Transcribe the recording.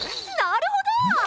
なるほど！